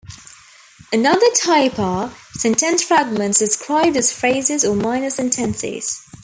Another type are sentence fragments described as phrases or minor sentences.